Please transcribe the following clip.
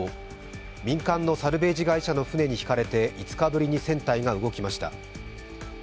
民間のサルベージ会社の船の船にひかれて５日ぶりに船体が動きました。